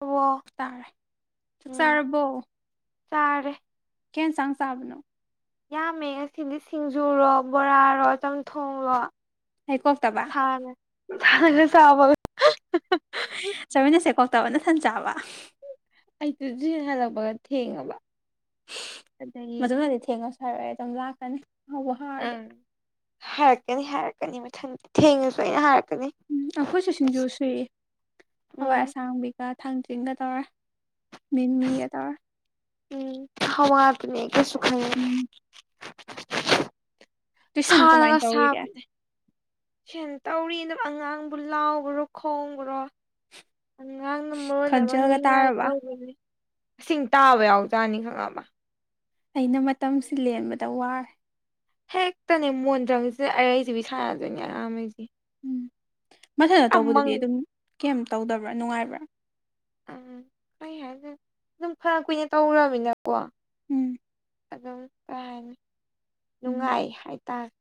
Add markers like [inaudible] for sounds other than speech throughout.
ꯑꯣ ꯇꯔ ꯆꯔꯔꯕꯧ ꯆꯔ ꯀꯦꯟ ꯆꯥꯡ ꯆꯥꯕꯅꯣ ꯌꯥꯝꯃꯦ ꯉꯁꯤꯗꯤ ꯁꯤꯡꯖꯨꯔꯣ ꯕꯣꯔꯥꯔꯣ ꯆꯝꯊꯣꯡꯔꯣ ꯑꯩ ꯀꯣꯛꯇꯕ ꯊ ꯊ ꯆꯕ ꯆꯠꯃꯤꯟꯅꯁꯦ ꯀꯣꯛꯇꯕ ꯅ ꯁꯟ ꯆꯥꯕ ꯑꯩꯁꯨ ꯍꯜꯂꯛꯄꯒ ꯊꯦꯡꯉꯕ ꯑꯗꯒꯤ ꯃꯗꯨꯅꯗꯤ ꯊꯦꯡꯉꯁꯨ ꯍꯥꯏꯔꯑꯦ ꯑꯗꯨꯝ ꯂꯥꯛꯀꯅꯤ ꯍꯥꯎꯕ ꯍꯥꯎꯔꯗꯤ ꯎꯝ ꯍꯥꯏꯔꯛꯀꯅꯤ ꯍꯥꯏꯔꯛꯀꯅꯤ ꯃꯊꯪꯗꯤ ꯊꯦꯡꯉꯁꯨ ꯑꯩꯅ ꯍꯥꯏꯔꯛꯀ ꯎꯝ ꯑꯩꯈꯣꯏꯁꯨ ꯁꯤꯡꯖꯨ ꯁꯨꯏ ꯍꯋꯥꯏ ꯎꯝ ꯑꯁꯥꯡꯕꯤꯒ ꯊꯥꯡꯖꯤꯡꯒ ꯇꯧꯔꯦ ꯃꯤꯃꯤꯒ ꯇꯧꯔꯦ ꯎꯝ ꯈꯋꯥ ꯑꯗꯨꯅꯤ ꯀꯁꯨ ꯈꯥꯏꯅꯤ ꯎꯝ ꯇꯨꯏꯁꯟ ꯁꯥ ꯀꯃꯥꯏꯅ ꯂꯒ ꯁꯥ ꯇꯧꯔꯤꯒꯦ ꯄꯗ ꯐ ꯇꯧꯔꯤꯅ ꯑꯉꯥꯡꯕꯨ ꯂꯥꯎꯈ꯭ꯔꯣ ꯈꯣꯡꯈ꯭ꯔꯣ ꯑꯉꯥꯡꯅ ꯃꯣꯟ ꯂꯧ ꯈꯣꯟꯖꯦꯜꯒ ꯅꯤꯡꯉꯥꯏ ꯇꯥꯔꯕ ꯇꯧꯕꯅꯤ ꯃꯁꯤꯡꯁꯤꯡ ꯇꯥꯕ ꯌꯥꯎꯖꯥꯅꯤ ꯈꯪꯉꯛꯑꯃ ꯑꯩꯅ ꯃꯇꯝꯁꯤ ꯂꯦꯟꯕꯗ ꯋꯥꯔꯦ ꯍꯦꯛꯇꯅꯦ ꯃꯣꯟꯗ꯭ꯔꯪꯁꯤꯗ ꯑꯩꯔꯩꯁꯤꯕꯤ ꯁꯥꯟꯅꯗꯣꯏꯅꯤꯅꯦ ꯑꯝꯃꯩꯁꯦ ꯎꯝ ꯃꯊꯟꯇ ꯇꯧꯕꯗꯨꯗꯤ ꯑꯗꯨꯝ ꯀꯩ ꯇꯧꯗꯕ꯭ꯔꯥ ꯅꯨꯡꯉꯥꯏꯕ꯭ꯔꯥ ꯎꯝ ꯀꯩ ꯍꯥꯏꯅ ꯑꯗꯨꯝ ꯐꯅ ꯀꯨꯏꯅ ꯇꯧꯃꯤꯅꯀꯣ ꯎꯝ ꯑꯗꯨꯗꯣ ꯀꯅꯤ ꯎꯝ ꯅꯨꯡꯉꯥꯏ ꯍꯥꯏꯇꯥꯔꯦ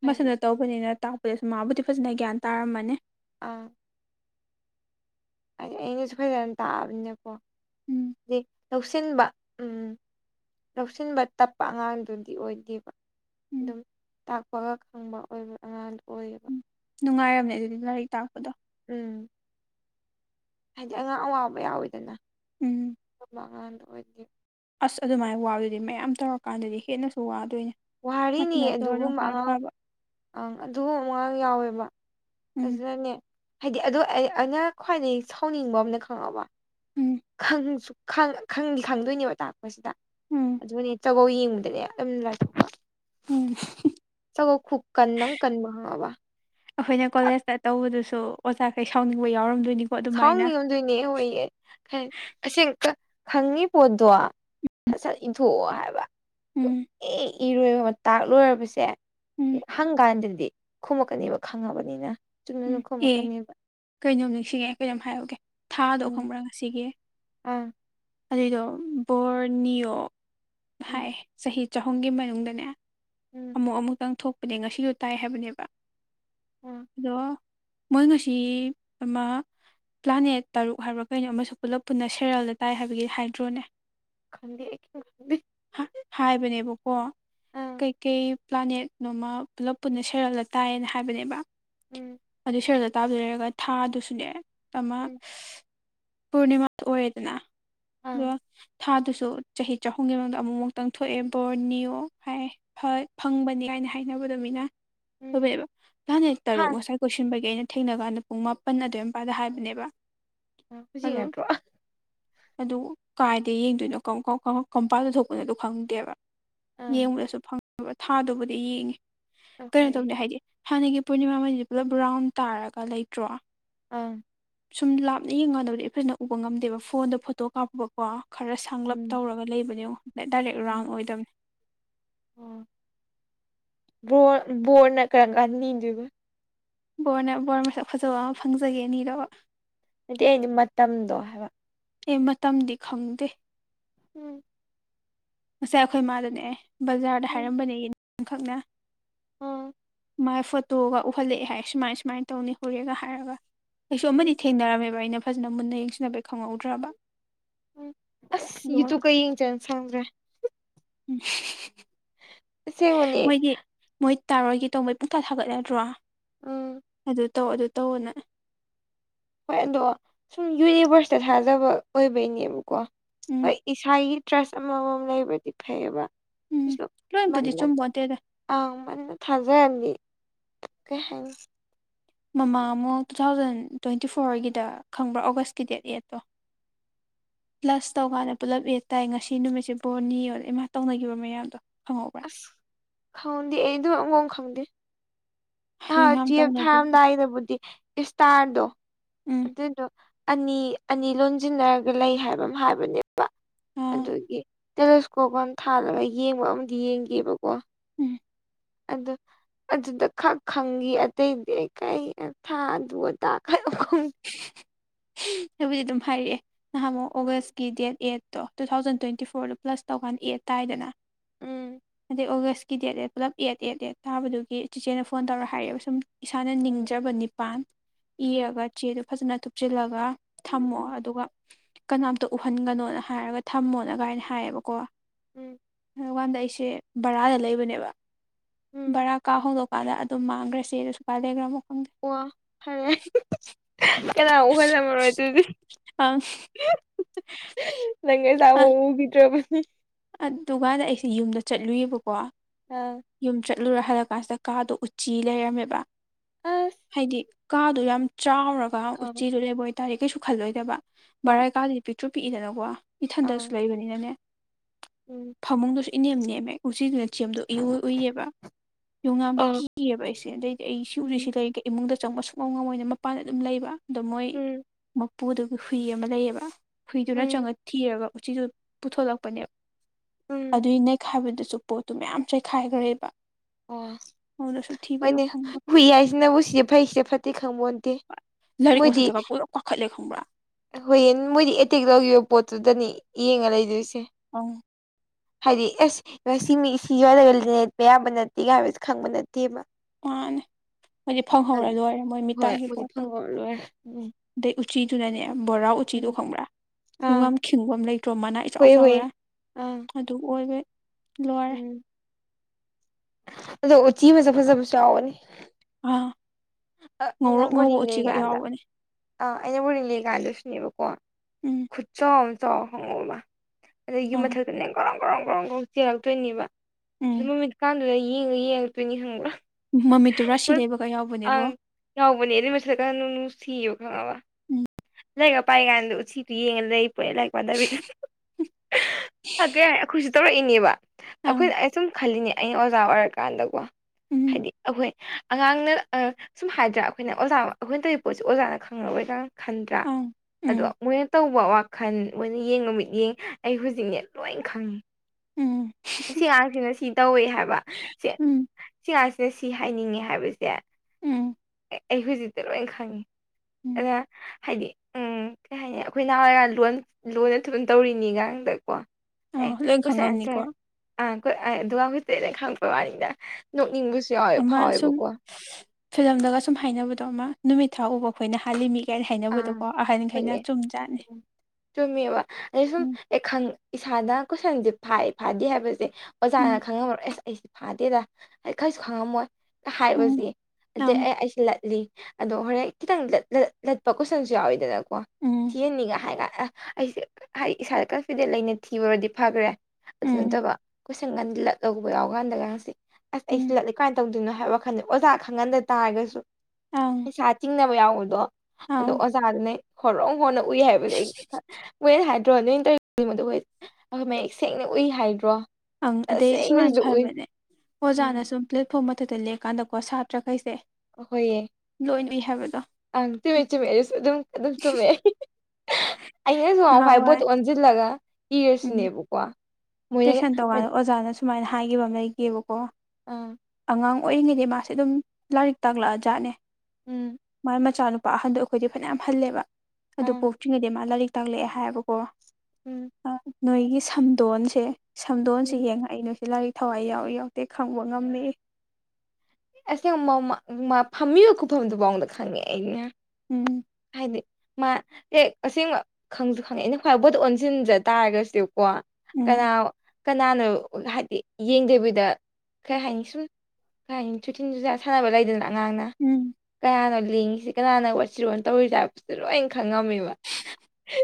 ꯍꯥꯏꯗꯤ ꯃꯊꯟꯇ ꯇꯧꯕꯅꯤꯅ ꯇꯥꯛꯄꯗꯁꯨ ꯃꯥꯕꯨꯗꯤ ꯐꯖꯅ ꯒ꯭ꯌꯥꯟ ꯇꯥꯔꯝꯃꯅꯤ ꯑ ꯑꯩꯅꯁꯨ ꯈꯣꯏꯗꯝ ꯇꯥꯛꯑꯕꯅꯤꯅꯦꯅꯀꯣ ꯎꯝ ꯑꯗꯨ ꯂꯧꯁꯤꯟꯕ ꯎꯝ ꯂꯧꯁꯤꯟꯕ ꯇꯞꯄ ꯑꯉꯥꯡꯗꯨꯗꯤ ꯑꯣꯏꯗꯦꯕ ꯎꯝ ꯑꯗꯨꯝ ꯇꯥꯛꯄꯒ ꯈꯪꯕ ꯑꯣꯏꯕ ꯑꯉꯥꯡ ꯎꯝ ꯅꯨꯡꯉꯥꯏꯔꯝꯅꯦ ꯑꯗꯨꯗꯤ ꯂꯥꯏꯔꯤꯛ ꯇꯥꯛꯔꯄꯗꯣ ꯎꯝ ꯍꯥꯏꯗꯤ ꯑꯉꯥꯡ ꯑꯋꯥꯕ ꯌꯥꯎꯋꯤꯗꯅ ꯎꯝ ꯑꯕ ꯑꯉꯥꯡꯗ ꯑꯣꯏꯔꯗꯤ ꯑꯁ ꯑꯗꯨꯃꯥꯏꯅ ꯋꯥꯗꯨꯗꯤ ꯃꯌꯥꯝ ꯇꯧꯔꯀꯥꯟꯗꯗꯤ ꯍꯦꯟꯅꯁꯨ ꯋꯥꯗꯣꯏꯅꯤ ꯋꯥꯔꯤꯍꯔꯤꯅꯤ ꯑꯗꯨꯒꯨꯝꯕ ꯑꯉꯥꯡ ꯑꯪ ꯑꯗꯨꯒꯨꯝ ꯑꯥꯡ ꯌꯥꯎꯋꯦꯕ ꯎꯝ ꯑꯗꯨꯅꯅꯦ ꯍꯥꯏꯗꯤ ꯑꯗꯣ ꯑꯩꯅ ꯈ꯭ꯋꯥꯏꯗꯒꯤ ꯁꯥꯎꯅꯤꯡꯕ ꯑ ꯑꯃꯅ ꯈꯪꯉꯕ ꯎꯝ ꯈꯪꯁꯨ ꯈꯪꯗꯣꯏꯅꯦꯕ ꯇꯥꯛꯄꯁꯤꯗ ꯎꯝ ꯑꯗꯨꯒꯅꯦ ꯆꯥꯛꯒꯧ ꯌꯦꯡꯕꯗꯅꯦ ꯌꯥꯝ ꯂꯥꯏꯊꯣꯛꯄ ꯎꯝ ꯆꯒꯣꯜ ꯈꯨ ꯀꯟ ꯑꯃ ꯀꯟꯕ ꯍꯪꯉꯕ ꯑꯩꯈꯣꯏꯅ ꯀꯣꯂꯦꯖꯇ ꯇꯧꯕꯗꯨꯁꯨ ꯑꯣꯖꯥꯈꯩ ꯁꯥꯎꯅꯤꯡꯕ ꯌꯥꯎꯔꯝꯗ ꯁꯥꯎꯅ ꯌꯦꯝꯗꯣꯏꯅꯦ ꯍꯣꯏꯌꯦ ꯈ ꯑꯁꯦꯡ ꯈꯪꯉꯤ ꯄꯣꯠꯇꯣ ꯁꯠ ꯁꯠ ꯏꯟꯊꯣꯛꯑꯣ ꯍꯥꯏꯕ ꯎꯝ ꯁꯑ ꯏꯔꯣꯏꯕ ꯑꯃ ꯇꯥꯛ ꯂꯣꯏꯔꯕꯁꯦ ꯎꯝ ꯍꯪꯀꯥꯟꯗꯗꯤ ꯈꯨꯝꯃꯛꯀꯅꯦꯕ ꯈꯪꯉꯕꯅꯤꯅ ꯆꯨꯝꯅ ꯎꯝ ꯑꯗꯨꯝ ꯑꯦ ꯈꯨꯝꯃꯛꯀꯅꯦꯕ ꯀꯩꯅꯣꯝ ꯅꯤꯡꯁꯤꯡꯉꯦ ꯀꯩꯅꯣꯝ ꯍꯥꯏꯔꯨꯒꯦ ꯊꯥꯗꯣ ꯎꯝ ꯈꯪꯕ꯭ꯔꯥ ꯉꯁꯤꯒꯤ ꯑꯥ ꯑꯗꯨꯏꯗꯣ ꯕꯣꯔꯅꯤꯌꯣ ꯍꯥꯏ ꯎꯝ ꯆꯍꯤ ꯆꯍꯨꯝꯒꯤ ꯃꯅꯨꯡꯗꯅꯦ ꯎꯝ ꯑꯃꯨꯛ ꯑꯃꯨꯛꯇꯪ ꯊꯣꯛꯄꯅꯦ ꯉꯁꯤꯗꯣ ꯇꯥꯏ ꯍꯥꯏꯕꯅꯦꯕ ꯑꯥ ꯑꯗꯣ ꯃꯣꯏ ꯉꯁꯤ ꯑꯃ ꯄ꯭ꯂꯥꯅꯦꯠ ꯇꯔꯨꯛ ꯍꯥꯏꯕ꯭ꯔꯥ ꯀꯩꯅꯣ ꯑꯃꯁꯨ ꯄꯨꯂꯞ ꯄꯨꯟꯅ ꯁꯦꯔꯦꯜꯗ ꯇꯥꯏ ꯍꯥꯏꯕꯒꯤ ꯍꯥꯏꯗ꯭ꯔꯣꯅꯦ ꯈꯪꯗ ꯑꯩ ꯑꯣ ꯑꯥ ꯀꯩꯀꯩ ꯄ꯭ꯂꯥꯅꯦꯠꯅꯣꯃ ꯄꯨꯂꯞ ꯄꯨꯟꯅ ꯁꯦꯔꯜꯂ ꯇꯥꯏꯌꯦꯅ ꯍꯥꯏꯕꯅꯦꯕ ꯎꯝ ꯑꯗꯨ ꯁꯦꯔꯣꯜꯗ ꯇꯥꯕꯗꯨ ꯂꯩꯔꯒ ꯊꯥꯗꯨꯁꯨꯅꯦ ꯑꯃ ꯎꯝ ꯄꯨꯔꯅꯤꯃꯥꯗ ꯑꯣꯏꯌꯦꯗꯅ ꯑꯗꯨꯒ ꯑꯪ ꯊꯥꯗꯨꯁꯨ ꯆꯍꯤ ꯆꯍꯨꯝꯒꯤ ꯃꯅꯨꯡꯗ ꯑꯃꯨꯛꯃꯨꯛꯇꯪ ꯊꯣꯛꯑꯦ ꯕꯣꯔ ꯅꯤꯌꯣ ꯍꯥꯏ ꯐꯪꯕꯅꯤ ꯀꯥꯏꯅ ꯍꯥꯏꯅꯕꯗꯃꯤꯅ ꯎꯝ ꯊꯕꯩꯑꯕ ꯌꯥꯅꯤ ꯍꯥ ꯇꯔꯨꯛ ꯉꯁꯥꯏ ꯀꯣꯏꯁꯤꯟꯕꯒꯤ ꯑꯩꯅ ꯊꯦꯡꯅ ꯀꯥꯟꯗ ꯄꯨꯡ ꯃꯥꯄꯟ ꯑꯗꯨꯋꯥꯏ ꯃꯄꯥꯗ ꯍꯥꯏꯕꯅꯦꯕ ꯍꯖꯤ ꯑꯗꯨ ꯀ꯭ꯔꯣ ꯑꯗꯨ ꯀꯥꯏꯗ ꯌꯦꯡꯗꯣꯏꯅꯣ ꯀꯝꯄꯥꯟꯗ ꯊꯣꯛꯄꯅꯣ ꯑꯗꯨ ꯈꯪꯗꯦꯕ ꯑꯪ ꯌꯦꯡꯕꯗꯁꯨ ꯐꯪꯉꯕ ꯊꯥꯗꯕꯨꯗꯤ ꯌꯦꯡꯉꯤ ꯀꯩꯅꯣ ꯑꯩꯈꯣꯏ ꯇꯧꯗꯦ ꯍꯥꯏꯗꯤ ꯍꯥꯟꯅꯒꯤ ꯄꯨꯔꯅꯤꯃꯥꯍꯩꯁꯦ ꯄꯨꯂꯞ ꯔꯥꯎꯟ ꯇꯥꯔꯒ ꯂꯩꯇ꯭ꯔꯣ ꯑꯥ ꯁꯨꯝ ꯂꯥꯞꯅ ꯌꯦꯡꯒꯥꯟꯗꯕꯗꯤ ꯑꯩ ꯐꯖꯅ ꯎꯕ ꯉꯝꯗꯦꯕ ꯐꯣꯟꯗ ꯐꯣꯇꯣ ꯀꯥꯞꯄꯕꯀꯣ ꯈꯔ ꯁꯥꯡꯂꯞ ꯎꯝ ꯇꯧꯔꯒ ꯂꯩꯕꯅꯦ ꯗꯥꯏꯔꯦꯛ ꯔꯥꯎꯟ ꯑꯣꯏꯗꯕꯅꯤ ꯑꯣꯝ ꯕꯣꯔꯅ ꯀꯔꯝ ꯀꯥꯟ ꯅꯤꯡꯗꯕ ꯕꯣꯔꯅ ꯕꯣꯔ ꯃꯁꯛ ꯐꯖꯕ ꯑꯃ ꯐꯪꯖꯒꯦꯅꯤꯗ ꯍꯥꯏꯗꯤ ꯑꯩꯗꯤ ꯃꯇꯝꯗꯣ ꯍꯥꯏꯕ ꯑꯦ ꯃꯇꯝꯗꯤ ꯈꯪꯗꯦ ꯎꯝ ꯉꯁꯥꯏ ꯑꯩꯈꯣꯏ ꯃꯥꯗꯨꯅꯦ ꯕꯖꯥꯔꯗ ꯍꯥꯏꯔꯝꯕꯅꯦꯈꯛꯅꯦ ꯑꯣ ꯃꯥꯥꯏ ꯐꯣꯇꯣꯒ ꯎꯍꯜꯂꯛꯑꯦ ꯍꯥꯏ ꯁꯨꯃꯥꯏ ꯁꯨꯃꯥꯏꯅ ꯇꯧꯅꯤ ꯍꯣꯔꯦꯒ ꯍꯥꯏꯔꯒ ꯑꯩꯁꯨ ꯎꯝ ꯑꯃꯗꯤ ꯊꯦꯡꯅꯔꯝꯃꯦꯕ ꯑꯩꯅ ꯐꯖꯅ ꯃꯨꯟꯅ ꯌꯦꯡꯁꯤꯟꯅꯕꯩ ꯈꯪꯍꯧꯗ꯭ꯔꯕ ꯎꯝ ꯑꯁ ꯏ ꯑꯗꯨꯒ ꯇ ꯀꯩ ꯌꯦꯡ ꯆꯦꯟꯁ꯭ꯔꯦ ꯎꯝ ꯑꯁꯦꯡꯕꯅꯤ ꯃꯣꯏꯗꯤ ꯃꯣꯏ ꯇꯥꯔꯣꯏꯒꯦ ꯇꯣꯡ ꯃꯩ ꯄꯨꯡꯈ ꯊꯥꯒꯠꯂꯗ꯭ꯔꯣ ꯎꯝ ꯑꯗꯨ ꯇꯧꯑꯣ ꯑꯗꯨ ꯇꯧꯑꯣꯅꯦ ꯍꯣꯏ ꯑꯗꯣ ꯁꯨꯝ ꯌꯨꯅꯤꯚꯔꯁꯇ ꯊꯥꯖꯕ ꯑꯣꯏꯕꯩꯅꯦꯕꯀꯣ ꯎꯝ ꯍꯣꯏ ꯏꯁꯥꯒꯤ ꯇ꯭ꯔꯁ ꯑꯃꯃꯝ ꯂꯩꯕꯗꯤ ꯐꯩꯌꯦꯕ ꯎꯝ ꯃ ꯂꯣꯏꯅꯕꯨꯗꯤ ꯆꯨꯝꯄꯣꯟꯇꯦꯗ ꯑ ꯃꯅ ꯊꯥꯖꯔꯝꯗꯤ ꯀꯩ ꯍꯥꯏ ꯃꯃꯥ ꯑꯃꯨꯛ ꯇꯨ ꯊꯥꯎꯖꯟ ꯇ꯭ꯋꯦꯟꯇꯤ ꯐꯣꯔꯒꯤꯗ ꯈꯪꯕ꯭ꯔꯥ ꯑꯣꯒꯁꯀꯤ ꯗꯦꯠ ꯑꯦꯠꯇꯣ ꯄ꯭ꯂꯁ ꯇꯧꯀꯥꯟꯗ ꯄꯨꯜꯂꯞ ꯑꯦꯠ ꯇꯥꯏ ꯉꯁꯤ ꯅꯨꯃꯤꯠꯁꯦ ꯕꯣꯔꯅꯤ ꯑꯣ ꯏꯃꯥ ꯇꯧꯅꯈꯤꯕ ꯃꯌꯥꯝꯗꯣ ꯈꯪꯍꯧꯕ꯭ꯔꯥ ꯑꯁ ꯈꯥꯎꯗꯤ ꯑꯩꯗꯨ ꯈꯪꯗ ꯑ ꯍꯌꯨꯡ ꯌꯥꯝ ꯆꯦꯞ ꯇꯧꯅꯈꯤꯕꯅꯦ ꯊꯥꯔꯝꯗꯥꯏꯗꯕꯨꯗꯤ ꯏꯁꯇꯥꯔꯗꯣ ꯎꯝ ꯑꯗꯨꯗꯣ ꯑꯅꯤ ꯑꯅꯤ ꯂꯣꯟꯁꯤꯟꯅꯔꯒ ꯂꯩ ꯍꯥꯏꯕ ꯑꯃ ꯍꯥꯏꯕꯅꯦꯕ ꯑꯥ ꯑꯗꯨꯒꯤ ꯇꯦꯂꯦꯁꯀꯣꯞ ꯑꯃ ꯊꯥꯜꯂꯒ ꯌꯦꯡꯕ ꯑꯃꯗꯤꯝ ꯌꯦꯡꯒꯦꯕꯀꯣ ꯎꯝ ꯑꯗꯨꯗ ꯑꯗꯨꯗ ꯈꯥ ꯈꯪꯉ ꯑꯇꯩꯗꯤ ꯀꯩ ꯑꯊꯥ ꯑꯗꯨꯇꯥꯈꯪ ꯍꯥꯏꯕꯨꯗꯤ ꯑꯗꯨꯝ ꯍꯥꯏꯔꯛꯑꯦ ꯅꯍꯥꯃꯨꯛ ꯑꯣꯒꯁꯀꯤ ꯗꯦꯠ ꯑꯦꯠꯇꯣ ꯇꯨ ꯊꯥꯎꯖꯟ ꯇ꯭ꯋꯦꯟꯇꯤ ꯐꯣꯔꯗꯣ ꯄ꯭ꯂꯁ ꯇꯧꯀꯥꯟ ꯑꯦꯠ ꯇꯥꯏꯗꯅ ꯎꯝ ꯑꯗꯩ ꯑꯣꯒꯁꯀꯤ ꯗꯦꯠ ꯑꯦ ꯄꯨꯂꯞ ꯑꯦꯠ ꯑꯦꯗ ꯑꯦꯠ ꯊꯥꯕꯗꯨꯒꯤ ꯆꯤꯆꯦꯅ ꯐꯣꯟ ꯇꯧꯔ ꯍꯥꯏꯔꯛꯑꯦꯕ ꯁꯨꯝ ꯏꯁꯥꯅ ꯅꯤꯡꯖ꯭ꯔꯕꯅꯤ ꯅꯤꯄꯥꯟ ꯎꯝ ꯏꯔꯒ ꯆꯦꯗꯨꯣ ꯐꯖꯅ ꯊꯨꯞꯆꯤꯜꯂꯒ ꯊꯝꯃꯣ ꯎꯝ ꯑꯗꯨꯒ ꯀꯅꯥꯝꯇ ꯎꯍꯟꯒꯅꯣꯅ ꯍꯥꯏꯔꯒ ꯊꯝꯃꯣꯅ ꯀꯥꯏꯅ ꯍꯥꯏꯌꯦꯕꯀꯣ ꯎꯝ ꯀꯥꯟꯗ ꯑꯩꯁꯦ ꯕꯔꯥꯗ ꯂꯩꯕꯅꯦꯕ ꯎꯝ ꯕꯔꯥ ꯀꯥ ꯍꯣꯡꯗꯣꯛ ꯄꯥꯗ ꯑꯗꯨꯝ ꯃꯥꯡꯈ꯭ꯔꯦꯗ ꯁꯁꯨꯨꯥꯏ ꯂꯩꯈ꯭ꯔꯥꯃꯣ ꯋꯥ ꯐꯔꯦ ꯀꯅꯥ ꯎꯍꯜꯂꯝꯃꯔꯣꯏ ꯑꯗꯨꯗꯤ ꯑ ꯂꯪꯒꯔ ꯆꯕ ꯃꯤꯇ꯭ꯔꯣꯕ ꯑꯗꯨꯀꯥꯟꯗ ꯑꯩꯁꯦ ꯌꯨꯝꯗ ꯆꯠꯂꯨꯌꯦꯕꯀꯣ ꯎꯝ ꯆꯠꯂꯨꯔꯦ ꯍꯜꯂ ꯀꯥꯟꯁꯤꯗ ꯀꯥꯗꯣ ꯎ ꯎꯆꯤ ꯂꯩꯔꯝꯃꯦꯕ ꯑꯁ ꯍꯥꯏꯗꯤ ꯀꯥꯗꯣ ꯌꯥꯝ ꯆꯥꯎꯔꯒ ꯑꯥ ꯎꯆꯤꯗꯨ ꯂꯩꯕ ꯑꯣꯏꯇꯥꯔꯗꯤ ꯀꯩꯁꯨ ꯈꯜꯂꯣꯏꯗꯕ ꯍꯣꯏ ꯕꯔꯥꯏ ꯀꯥꯗꯨꯗꯤ ꯄꯤꯛꯇ꯭ꯔꯨ ꯄꯤꯛꯏꯗꯅꯀꯣ ꯏꯊꯟꯗꯁꯨ ꯑꯥ ꯂꯩꯕꯅꯤꯅꯅꯦ ꯎꯝ ꯐꯃꯨꯡꯗꯨꯁꯨ ꯏꯅꯦꯝ ꯅꯦꯝꯃꯦ ꯎꯁꯤꯗꯨ ꯁꯦꯝꯦꯝꯗꯣ ꯏꯌ ꯎꯏꯑꯕ ꯌꯣꯡꯉꯥ ꯑꯥ ꯀꯤꯑꯕ ꯑꯩꯁꯦ ꯑꯗꯩꯗꯤ ꯑꯩ ꯁꯤ ꯎꯔꯤꯁꯤ ꯎꯝ ꯀꯔꯤ ꯏꯃꯨꯡꯗ ꯑꯆꯪ ꯑꯁꯨꯛ ꯑꯃꯧꯉꯝ ꯃꯣꯏ ꯑꯣꯏꯅ ꯃꯄꯥꯟꯗ ꯑꯗꯨꯝ ꯂꯩꯕ ꯑꯗꯣ ꯃꯣꯏ ꯎꯝ ꯃꯄꯨꯗꯨꯒꯤ ꯍꯨꯏ ꯑꯃ ꯂꯩꯌꯦꯕ ꯍꯨꯏꯗꯨꯅ ꯎꯝ ꯆꯪꯉ ꯊꯤꯔꯒ ꯎꯆꯤꯗꯨ ꯄꯨꯊꯣꯛꯂꯛꯄꯅꯦꯕ ꯎꯝ ꯑꯗꯨꯏ ꯅꯦꯛ ꯍꯥꯏꯕꯗꯨ ꯁꯨ ꯄꯣꯠꯇꯨ ꯃꯌꯥꯝ ꯆꯥꯏꯈꯥꯏꯈ꯭ꯔꯦꯕ ꯑꯣ ꯍꯣꯏꯅꯦ ꯐꯪꯗꯕ ꯍꯨꯏ ꯍꯥꯏꯁꯤꯅꯕꯨ ꯁꯤꯁꯦ ꯐꯩꯁꯦ ꯐꯠꯇꯤ ꯈꯪꯕꯣꯟ ꯂꯥꯏꯔꯤꯛ ꯃꯁꯛꯇꯒ ꯄꯨꯂꯞ ꯀꯥꯈꯠꯂꯦ ꯈꯪꯕ꯭ꯔꯥ ꯍꯣꯏꯌꯦꯦꯟ ꯃꯣꯏꯗꯤ ꯑꯦꯇꯦꯛ ꯇꯧꯈꯤꯕ ꯄꯣꯠꯇꯨꯗꯅꯤ ꯌꯦꯡꯉ ꯂꯩꯗꯣꯏꯁꯦ ꯑ ꯍꯥꯏꯗꯤ ꯑꯦꯁ ꯁꯤ ꯃꯤ ꯁꯤ ꯌꯣꯂꯒ ꯂꯦꯠꯄ ꯌꯥꯕ ꯅꯠꯇꯦꯒ ꯍꯥꯏꯕ ꯈꯪꯕ ꯅꯠꯇꯦ ꯑꯣꯅ ꯃꯗꯤ ꯑꯪ, ꯐꯪꯍꯧꯔ ꯂꯣꯏꯔꯦ ꯃꯣꯏ ꯍꯣꯏ ꯃꯤꯇꯥꯥꯏꯒꯤ ꯃꯣꯏꯗꯤ ꯄꯣꯠꯇꯣ ꯐꯪꯒꯣ ꯂꯣꯏꯔꯦ ꯎꯝ ꯑꯗꯩ ꯎꯆꯤꯗꯨꯅꯅꯦꯕ ꯕꯣꯔꯥ ꯎꯆꯤꯗꯣ ꯎꯝ ꯈꯪꯕ꯭ꯔꯥ ꯑꯥ ꯈꯨꯡꯉ ꯈꯤꯪꯕ ꯗ꯭ꯔꯣꯃꯅꯥ ꯏꯆꯥꯎ ꯍꯣꯏ ꯍꯣꯏ ꯆꯥꯎꯔꯦ ꯑꯥ ꯑꯗꯨ ꯑꯣꯏꯕ ꯂꯣꯏꯔꯦ ꯎꯝ ꯑꯣ ꯆꯤ ꯃ ꯆꯁ ꯄꯨꯁ ꯌꯥꯅꯤ ꯑꯥ ꯑ ꯉꯧꯔꯣꯛ ꯏꯟꯅꯕꯨꯔꯤ ꯉꯧꯕ ꯂꯩ ꯎꯆꯤꯒ ꯀꯗ ꯌꯥꯎꯕꯅꯦ ꯑꯥ ꯑꯩꯅꯕꯨꯔꯤ ꯂꯩꯀꯥꯟꯗꯁꯨꯅꯦꯕꯀꯣ ꯎꯝ ꯈꯨꯆꯣ ꯆꯥꯎ ꯍꯪꯉꯛꯕ ꯑꯗꯩ ꯌꯨꯝ ꯑꯪ ꯃꯊꯛꯇꯅꯦ ꯀꯧꯔꯧ ꯀꯧꯥꯎꯧ ꯀꯧꯔꯧ ꯀꯧ꯭ꯔꯧ ꯆꯦꯜꯂꯛꯇꯣꯏꯅꯦꯕ ꯎꯝ ꯃꯃꯤꯗ ꯀꯥꯟ꯭ꯔ ꯌꯦ ꯌꯦꯛꯇꯣꯏꯅꯤ ꯍꯪ꯭ꯔ ꯃꯃꯤꯠꯇꯨ ꯔꯥꯁꯤ ꯂꯩꯕꯒ ꯌꯥꯎꯕ ꯑ ꯌꯥꯎꯕꯅꯦꯅꯤ ꯃꯔꯗꯀꯅ ꯁꯤꯌꯣ ꯑ ꯎꯝ ꯂꯥꯏꯔꯤꯛ ꯄꯥꯏ ꯀꯥꯟꯗ ꯎ ꯎꯆꯁꯤꯗꯨ ꯌꯦꯡꯉ ꯂꯩ ꯄꯔꯦ ꯂꯥꯏꯔꯤꯛ ꯄꯥꯗꯕꯤꯗ ꯀꯩ ꯍꯥꯏ ꯑꯩꯈꯣꯏꯁꯨ ꯇꯧꯔꯛꯏꯅꯦꯕ ꯑꯪ ꯑꯩꯈꯣꯏꯅ ꯑꯩ ꯁꯨꯝ ꯈꯜꯂꯤꯅꯦ ꯑꯩꯅ ꯑꯣꯖꯥ ꯑꯣꯏꯔꯀꯥꯟꯗꯀꯣ ꯎꯝ ꯍꯥꯏꯗꯤ ꯑꯩꯈꯣꯏ ꯑꯉꯥꯡꯅ ꯁꯨꯝ ꯍꯥꯏꯗ꯭ꯔꯥ ꯑꯩꯈꯣꯏꯅ ꯑꯣꯖꯥ ꯑꯩꯈꯣꯏꯅ ꯇꯧꯔꯤ ꯄꯣꯠꯁꯤ ꯑꯣꯖꯥꯅ ꯈꯪꯉꯔꯣꯏꯅꯪ ꯈꯟꯗ꯭ꯔꯥ ꯑꯪ ꯑꯗꯣ ꯎꯝ ꯃꯣꯏꯅ ꯇꯧꯕ ꯋꯥꯈꯜ ꯃꯣꯏꯅ ꯌꯦꯡ ꯅꯨꯃꯤꯠꯌꯦꯡ ꯑꯩ ꯍꯧꯖꯤꯛꯅꯦ ꯂꯣꯏ ꯈꯪꯉꯤ ꯎꯝ ꯁꯤꯌꯥ ꯁꯤꯅ ꯁꯤ ꯇꯧꯏꯦ ꯍꯥꯏꯕ ꯁꯤ ꯎꯝ ꯁꯤꯁꯤꯅ ꯁꯤ ꯍꯥꯏꯅꯤꯡꯉꯦ ꯍꯥꯏꯕꯁꯦ ꯑꯦ ꯎꯝ ꯑꯩ ꯍꯧꯖꯤꯛꯇꯤ ꯂꯣꯏ ꯈꯪꯉꯤ ꯎꯝ ꯑꯗꯨꯅ ꯍꯥꯏꯗꯤ ꯎꯝ ꯀꯩ ꯍꯥꯏꯅꯤ ꯑꯩꯈꯣꯏ ꯅꯍꯥꯟꯋꯥꯒꯣꯟ ꯂꯣꯟꯅ ꯊꯨꯕ ꯇꯧꯔꯤꯅꯤꯒ ꯀꯣ ꯑꯦ ꯑꯥ ꯂꯣꯏ ꯀꯁ ꯈꯪꯉꯝꯅꯤꯀꯣ ꯑꯟꯁꯔ ꯑꯣꯏ ꯑꯗꯨꯋꯥꯕꯤ ꯇꯔꯅ ꯈ ꯀꯣꯏ ꯋꯥꯔꯤꯗ ꯑꯃ ꯁꯨꯝ ꯐꯤꯂꯝꯗꯒ ꯁꯨꯝ ꯍꯥꯏꯅꯕꯗꯣ ꯑꯃ ꯅꯨꯃꯤꯠ ꯊꯥ ꯎꯕ ꯑꯩꯈꯣꯏꯅ ꯍꯥꯜꯂꯤꯃꯤ ꯄꯀꯦꯠ ꯑꯥ ꯍꯩꯅꯕꯗꯣꯀꯣ ꯑꯍꯟꯈꯩꯅ ꯊꯣꯛꯂꯛꯑꯦ ꯆꯨꯝ ꯆꯥꯠꯅꯤ ꯎꯝ ꯆꯨꯝꯃꯦꯕ ꯑꯗꯩ ꯁꯨꯝ ꯏꯁꯥꯗ ꯀꯣꯏꯁꯟꯁꯦ ꯐꯥꯏ ꯐꯥꯗꯦ ꯍꯥꯏꯕꯁꯦ ꯑꯣꯖꯥꯅ ꯎꯝ ꯈꯪꯉꯝꯃ ꯑꯦꯁ ꯑꯩꯁꯦ ꯐꯥꯗꯦꯗ ꯑꯩ ꯈꯔꯁꯨ ꯈꯪꯉꯝꯃꯣꯏ ꯎꯝ ꯍꯥꯏꯕꯁꯤ ꯑꯗꯨꯗꯩ ꯑꯪ ꯑꯩ ꯑꯩꯁꯤ ꯂꯠꯂꯤ ꯑꯗꯣ ꯍꯣꯔꯦꯟ ꯈꯤꯇꯪ ꯂꯠꯄ ꯀꯣꯏꯁꯟꯁꯨ ꯌꯥꯎꯋꯤꯗꯅꯀꯣ ꯎꯝ ꯊꯤꯍꯟꯅꯤꯡꯉ ꯍꯥꯏ ꯀ ꯑ ꯑꯩꯁꯦ ꯍꯥꯏꯗꯤ ꯏꯁꯥꯗ ꯀꯟꯐꯤꯗꯦꯟ ꯂꯩꯅ ꯊꯤꯕꯨꯔꯗꯤ ꯐꯈ꯭ꯔꯦ ꯑꯗꯨ ꯎꯝ ꯅꯠꯇꯕ ꯀꯣꯏꯁꯟꯒꯥꯟ ꯂꯠ ꯂꯧꯕ ꯌꯥꯎꯕ ꯀꯥꯟꯗꯒꯁꯤ ꯑꯁ ꯎꯝ ꯑꯩꯁꯤ ꯂꯠꯂꯤ ꯀꯃꯥꯏꯅ ꯇꯧꯗꯣꯏꯅꯣ ꯍꯥꯏꯕ ꯑꯣꯖꯥ ꯈꯪꯍꯟꯗ ꯇꯥꯔꯒꯁꯨ ꯑꯪ ꯄꯩꯁꯥ ꯆꯤꯡꯅꯕ ꯌꯥꯎꯕꯗꯣ ꯑꯗꯣ ꯑꯪ ꯑꯣꯖꯥꯗꯨꯅ ꯍꯣꯔꯣꯡ ꯍꯣꯟꯅ ꯎꯏ ꯍꯥꯏꯕꯗꯤ ꯑꯩ ꯋꯦꯠ ꯍꯥꯏꯗ꯭ꯔꯣ ꯅꯣꯏ ꯇ ꯃꯌꯦꯛ ꯁꯦꯡꯅ ꯎꯏ ꯍꯥꯏꯗ꯭ꯔꯣ ꯑꯪ ꯑꯗꯩ ꯇꯁꯦꯡꯅꯁꯨ ꯁꯨꯃꯥꯏꯅꯁꯨ ꯎꯏ ꯍꯥꯏꯕꯅꯦ ꯎꯝ ꯑꯣꯖꯥꯅ ꯁꯨꯝ ꯄ꯭ꯂꯦꯠꯐꯣꯝ ꯑꯗꯨꯗ ꯂꯦꯛꯀꯥꯟꯗꯀꯣ ꯁꯥꯇ꯭ꯔꯈꯩꯁꯦ ꯑꯍꯣꯏꯑꯦ ꯂꯣꯏꯅ ꯎꯏ ꯍꯥꯏꯕꯗꯣ ꯑꯪꯛꯇꯆ ꯃꯦꯁꯨ ꯑꯗꯨ ꯀ ꯆꯃꯦ ꯑꯩꯅꯁꯨ ꯋꯥꯏ ꯅꯍꯥꯟꯋꯥꯏ ꯄꯣꯠꯇ ꯑꯣꯟꯁꯤꯜꯂꯒ ꯎꯝ ꯏꯔꯁꯤꯅꯦꯕꯀꯣ ꯇꯨꯏꯁꯟ ꯇꯧꯀꯥꯟꯗ ꯑꯣꯖꯥꯅ ꯁꯨꯃꯥꯏꯅ ꯍꯥꯏꯈꯤꯕ ꯑꯃ ꯂꯩꯒꯦꯕꯀꯣ ꯑꯥ ꯑꯉꯥꯡ ꯑꯣꯏꯔꯤꯉꯩꯗꯤ ꯃꯥꯁꯦ ꯑꯗꯨꯝ ꯂꯥꯏꯔꯤꯛ ꯇꯥꯛꯂꯛꯑ ꯖꯥꯠꯅꯦ ꯎꯝ ꯃꯥꯥꯏ ꯃꯆꯥꯅꯨꯄꯥ ꯄꯥ ꯑꯍꯟꯗꯣ ꯑꯩꯈꯣꯏꯗꯤ ꯐꯅꯌꯥꯝ ꯍꯜꯂꯦꯕ ꯑꯗꯨ ꯑꯥ ꯄꯣꯛꯇ꯭ꯔꯤꯉꯩꯗꯤ ꯃꯥ ꯂꯥꯏꯔꯤꯛ ꯇꯥꯛꯂꯛꯑꯦ ꯍꯥꯏꯌꯦꯕꯀꯣ ꯎꯝ ꯅꯣꯏꯒꯤ ꯁꯝꯗꯣꯟꯁꯦ ꯁꯝꯗꯣꯟꯁꯦ ꯎꯝ ꯌꯦꯡꯉꯛꯏ ꯅꯣꯏ ꯁꯤꯤꯜꯂꯥꯒꯤ ꯊꯋꯥꯏ ꯌꯥꯎꯏ ꯌꯥꯎꯗꯦ ꯈꯪꯕ ꯉꯝꯃꯤ ꯑꯁꯦꯡ ꯐꯝꯃꯤꯕ ꯈꯨꯐꯝꯗꯨꯐꯥꯎꯡꯗ ꯈꯪꯉꯦ ꯑꯩꯅ ꯎꯝ ꯍꯥꯏꯗꯤ ꯃꯥ ꯑꯦ ꯑꯁꯦꯡꯕ ꯈꯪꯁꯨ ꯈꯪꯉꯛꯦꯅꯦ ꯈ꯭ꯋꯥꯏ ꯕꯣꯠ ꯑꯣꯟꯁꯤꯟꯖ ꯇꯥꯔꯒꯁꯨ ꯋꯥ ꯀꯅꯥ ꯎꯝ ꯀꯅꯥꯅꯣ ꯍꯥꯏꯗꯤ ꯌꯦꯡꯗꯕꯤꯗ ꯈꯔꯤ ꯍꯥꯏꯅꯤ ꯁꯨꯝ ꯈ ꯍꯥꯏꯅꯤ ꯁ ꯊꯤꯟꯖꯁꯨꯖꯥ ꯁꯥꯟꯅꯕ ꯂꯩꯗꯅ ꯑꯉꯥꯡꯅ ꯎꯝ ꯀꯌꯥꯅꯣ ꯀꯂꯤꯁꯤ ꯀꯅꯥꯅ ꯋꯥꯁꯤꯔꯣꯜ ꯇꯧꯔꯤ ꯇ ꯍꯥꯏꯕꯁꯨ ꯂꯣꯏꯅ ꯈꯪꯉꯝꯃꯦꯕ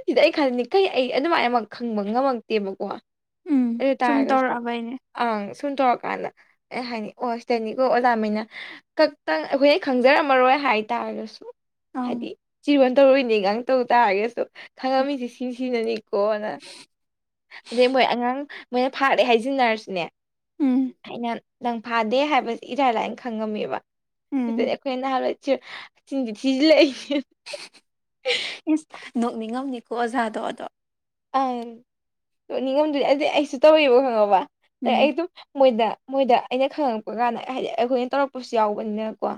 ꯁꯤꯗꯤ ꯑꯩ ꯈꯅꯤꯡꯈꯩ ꯑꯩ ꯑꯗꯨꯃꯥꯏꯅ ꯑꯃ ꯈꯪꯕ ꯉꯝꯃꯛꯇꯦꯕꯀꯣ ꯎꯝ ꯑꯗꯨ ꯁꯨꯝ ꯇꯥꯔꯒꯁꯨ ꯇꯧꯔꯛꯑꯕꯩꯅꯦ ꯑꯪ ꯁꯨꯝ ꯇꯧꯔꯀꯥꯟꯗ ꯍꯥꯏꯅꯤ ꯑꯣꯇꯅꯤ ꯑꯣ ꯑꯣꯖꯥꯃꯩꯅ ꯈꯛꯇꯪ ꯑꯩꯈꯣꯏꯅ ꯈꯪꯖꯔꯝꯃꯔꯣꯏ ꯍꯥꯏꯇꯥꯔꯒꯁꯨ ꯑꯪ ꯍꯥꯏꯗꯤ ꯆꯤꯔꯣꯟ ꯇꯧꯔꯣꯏꯅꯤ ꯉꯥꯡ ꯇꯧ ꯇꯥꯔꯒꯁꯨ ꯈꯪꯉꯝꯃꯤꯁꯦ ꯁꯤ ꯁꯤꯅꯅꯤ ꯀꯣꯅ ꯑꯗꯩ ꯃꯣꯏ ꯑꯉꯥꯡ ꯃꯣꯏꯅ ꯐꯥꯔꯦ ꯍꯥꯏꯖꯤꯟꯅꯔꯁꯤꯅꯦ ꯎꯝ ꯑꯩꯅ ꯅꯪ ꯐꯥꯗꯦ ꯍꯥꯏꯕꯁ ꯏꯔꯥꯏ ꯂꯥꯏꯅ ꯈꯪꯉꯝꯃꯦꯕ ꯁꯤꯗꯅꯦ ꯎꯝ ꯑꯩꯈꯣꯏ ꯅꯍꯥꯟꯋꯥꯏꯁꯤ ꯁꯤꯡꯗꯤ ꯊꯤꯖꯤꯜꯂꯛꯏ [inaudible] ꯏꯁ ꯅꯣꯛꯅꯤꯡꯉꯝꯅꯤꯀꯣ ꯑꯣꯖꯥꯗꯣ ꯑꯗꯣ ꯑꯪ ꯅꯤꯉꯣꯝꯗꯨꯗꯤ ꯑꯗꯨꯗꯤ ꯑꯩꯁꯨ ꯇꯧꯋꯕ ꯈꯪꯉꯕ ꯑ ꯎꯝ ꯑꯩ ꯑꯗꯨꯝ ꯃꯣꯏꯗ ꯃꯣꯏꯗ ꯑꯩꯅ ꯈꯪꯉꯛꯄ ꯀꯥꯟꯗ ꯍꯥꯏꯗꯤ ꯑꯩꯈꯣꯏꯅ ꯇꯧꯔꯛꯄꯁꯨ ꯌꯥꯎꯕꯅꯤꯅꯀꯣ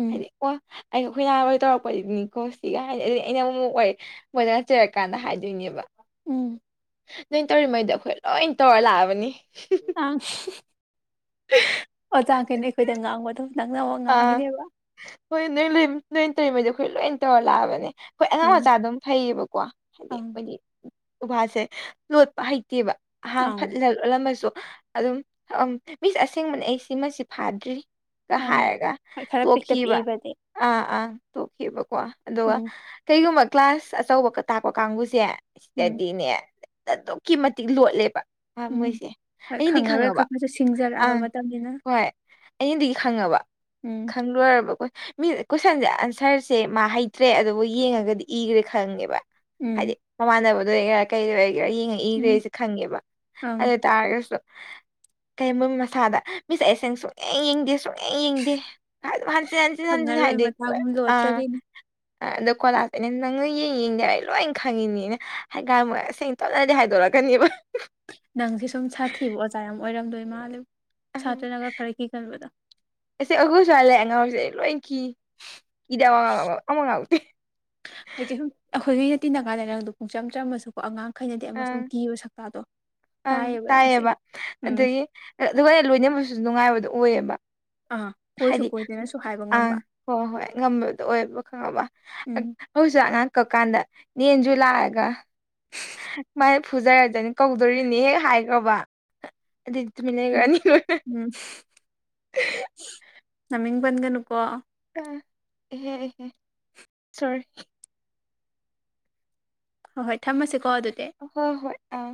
ꯎꯝ ꯍꯥꯏꯗꯤ ꯑꯣ ꯑꯩꯒꯈꯣꯏꯅꯥꯈꯣꯏ ꯇꯧꯔꯛꯄꯗꯨꯅꯤꯀꯣ ꯁꯤꯒ ꯍꯥꯏꯅꯤ ꯑꯗꯨꯗꯤ ꯑꯩꯅ ꯑꯃꯨꯛꯃꯛ ꯋꯥꯔꯤ ꯃꯣꯏꯅ ꯆꯩꯔꯀꯥꯟꯗ ꯍꯥꯏꯗꯣꯏꯅꯦꯕ ꯎꯝ ꯅꯣꯏ ꯇꯧꯔꯤꯉꯩꯗ ꯑꯩꯈꯣꯏ ꯂꯣꯏ ꯇꯧꯔ ꯂꯥꯛꯑꯕꯅꯤ ꯑ ꯑꯣꯖꯥꯈꯩꯅ ꯑꯩꯈꯣꯏꯗ ꯉꯥꯡꯕꯗꯧ ꯑꯥ ꯍꯣꯏ ꯅꯣꯏ ꯅꯣꯏ ꯇꯧꯔꯤꯉꯩꯗ ꯑꯩꯈꯣꯏ ꯂꯣꯏ ꯇꯧꯔ ꯂꯥꯛꯑꯕꯅꯦ ꯑꯩꯈꯣꯏ ꯑꯉꯥꯡ ꯎꯝ ꯃꯆꯥ ꯑꯗꯨꯝ ꯐꯩꯌꯦꯕꯀꯣ ꯍꯥꯏꯗꯤ ꯑꯪ ꯑꯩꯈꯣꯏꯒꯤ ꯎꯕꯥꯁꯦ ꯂꯣꯠꯄ ꯍꯩ ꯅꯠꯇꯦꯕ ꯑꯍꯥꯡ ꯐꯠ ꯑꯪ ꯂꯜꯂꯝꯃꯁꯨ ꯑꯗꯨꯝ ꯑ ꯃꯤꯁ ꯑꯁꯦꯡꯕꯅꯦ ꯑꯩ ꯁꯤꯃꯁꯤ ꯐꯥꯗ꯭ꯔꯤ ꯑꯪ ꯍꯥꯏꯑꯒ ꯍꯣꯏ ꯈꯔ ꯄꯤꯛꯇ ꯇꯣꯀꯤꯕ ꯄꯤꯛꯏꯕꯗꯤ ꯑꯥ ꯑꯥ ꯇꯣꯛꯈꯤꯕꯕꯀꯣ ꯑꯗꯨꯒ ꯎꯝ ꯀꯩꯒꯨꯝꯕ ꯒ꯭ꯂꯥꯁ ꯑꯆꯧꯕꯒ ꯇꯥꯛꯄ ꯀꯥꯡꯕꯨꯁꯦ ꯎꯝ ꯁꯤꯇꯗꯤꯅꯦ ꯑꯗꯨꯛꯀꯤ ꯃꯇꯤꯛ ꯂꯣꯠꯂꯦꯕ ꯎꯝ ꯃꯣꯏꯁꯦ ꯍꯣꯏ ꯑꯗꯤ ꯈꯪꯉꯔꯣꯏ ꯈꯪꯉꯕ ꯈꯪꯉꯁꯨ ꯁꯤꯡꯖꯔꯛꯑꯕ ꯑꯪ ꯃꯇꯝꯅꯤꯅ ꯍꯣꯏ ꯑꯩꯅꯗꯤ ꯈꯪꯉꯕ ꯎꯝ ꯈꯪ ꯂꯣꯏꯔꯕ ꯑꯩꯈꯣꯏ ꯃꯤ ꯀꯣꯏꯁꯟꯁꯦ ꯑꯟꯁꯔꯁꯦ ꯃꯥ ꯍꯩꯇ꯭ꯔꯦ ꯑꯗꯨꯕꯨ ꯌꯦꯡꯉꯒꯗꯤ ꯏꯈ꯭ꯔꯦ ꯈꯪꯉꯦꯕ ꯎꯝ ꯍꯥꯏꯗꯗꯤ ꯃꯃꯥꯟꯅꯔꯕꯗꯨ ꯀꯩ ꯁꯤꯔ ꯌꯦꯡꯉꯛꯏꯈ꯭ꯔꯦ ꯎꯝ ꯑꯩꯁꯦ ꯈꯪꯉꯦꯕ ꯑꯪ ꯑꯗꯨ ꯇꯥꯔꯒꯁꯨ ꯀꯩ ꯃꯣꯏ ꯃꯁꯥꯗ ꯃꯤꯁꯦ ꯑꯩꯁꯦꯡ ꯁꯨꯡꯛꯑꯡ ꯌꯦꯡꯗꯦ ꯁꯨꯡ ꯍ ꯌꯦꯡꯗꯦ ꯍꯟꯆꯤꯠ ꯍꯟꯆꯤꯠ ꯍꯟꯆꯤꯠ ꯈꯪꯉꯔꯣꯏ ꯍꯥꯏꯗꯤꯦ ꯃꯇꯥꯒꯨꯝ ꯑꯥ ꯂꯣꯠꯆꯔꯤꯅꯤ ꯑꯗꯣ ꯀꯣꯂꯥꯁꯦꯅꯦ ꯅꯪꯅ ꯌꯦꯡ ꯌꯦꯡꯗꯦꯔ ꯑꯩ ꯂꯣꯏꯅ ꯈꯪꯉꯤꯅꯤꯅꯦ ꯍꯥꯏꯒꯃ ꯁꯦꯡꯅ ꯇꯠꯅꯗꯤ ꯍꯥꯏꯗꯣꯔꯛꯀꯦ ꯀꯔꯤꯑꯕ ꯅꯪꯁꯦ ꯁꯨꯝ ꯁꯥꯊꯤꯕ ꯑꯣꯖꯥ ꯌꯥꯝ ꯑꯣꯏꯔꯝꯗꯣꯏ ꯃꯥꯜꯂꯦ ꯑꯍꯨꯡ ꯁꯥꯇ꯭ꯔꯅꯒ ꯈꯔ ꯀꯤꯒꯟꯕꯗꯣ ꯑꯁꯤ ꯑꯈꯣꯏ ꯁꯋ꯭ꯥꯏ ꯂꯥꯛꯑ ꯑꯉꯥꯎꯁꯦ ꯂꯀꯤ ꯏꯗ ꯉꯕꯨꯗꯤ [inaudible] ꯍꯥꯏꯗꯤ ꯁꯨꯝ ꯑꯩꯈꯣꯏꯒꯩꯅ ꯇꯤꯟꯅ ꯀꯥꯟꯗ ꯅꯪꯗꯣ ꯄꯨꯡꯆꯝ ꯆꯥꯝꯃꯁꯨꯀꯣ ꯑꯉꯥꯡ ꯈꯩꯅꯗꯤ ꯑꯪ ꯑꯃꯁꯨꯝ ꯀꯤꯕ ꯁꯛꯇꯥꯗꯣ ꯑꯪ ꯇꯥꯏꯌꯦꯕ ꯎꯝ ꯑꯗꯒꯤ ꯑꯗꯨꯒ ꯂꯣꯏꯅꯕꯁꯨ ꯅꯨꯡꯉꯥꯏꯕꯗꯣ ꯑꯣꯏꯌꯦꯕ ꯑꯥ ꯀꯣꯏꯁꯨ ꯍꯥꯏꯗꯤ ꯎꯪ ꯀꯣꯏꯗꯅꯁꯨ ꯍꯥꯏꯕ ꯑꯪ ꯉꯝꯕ ꯍꯣꯏ ꯍꯣꯏ ꯉꯝꯕꯗꯣ ꯑꯣꯏꯕ ꯈꯪꯉꯕ ꯑꯛ ꯎꯝ ꯍꯧꯖꯤꯛꯁꯨ ꯑꯉꯥꯡ ꯅꯛꯀꯀꯥꯟꯗ ꯅꯦ ꯑꯟꯖꯨ ꯂꯥꯛꯑꯒ ꯍ ꯃꯥꯏ ꯐꯨꯖꯔꯖꯅꯤ ꯀꯧꯗꯣꯔꯤꯅꯤ ꯍꯦꯛ ꯍꯥꯏꯈ꯭ꯔꯕ ꯍꯛ ꯑꯗꯨꯏ ꯇꯃꯤ ꯎꯝ ꯂꯩꯒꯅꯤꯉ [inaudible] ꯎꯝ ꯅꯃꯤꯡ ꯄꯟꯒꯅꯨꯀꯣ ꯏꯍꯦ ꯏꯍꯦ ꯁꯣꯔꯤ ꯍꯣ ꯍꯣꯏ ꯊꯝꯃꯁꯤꯀꯣ ꯑꯗꯨꯗꯤ ꯍꯣꯏ ꯍꯣꯏ ꯑꯥ